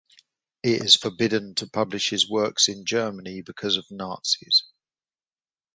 It is forbidden to publish his works in Germany because of Nazis.